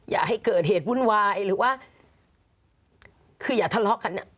อย่าให้เกิดเหตุวุ่นวายหรือว่าคืออย่าทะเลาะกัน